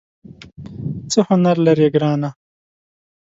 څه هنر لرې ګرانه ؟